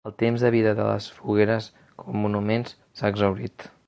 El temps de vida de les fogueres com a monuments s’ha exhaurit.